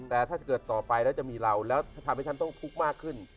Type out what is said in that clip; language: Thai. แต่ถ้าเกิดต่อไปแล้วจะมีเราแล้วทำให้ฉันต้องคุกมากขึ้น